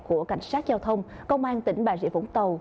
của cảnh sát giao thông công an tỉnh bà rịa vũng tàu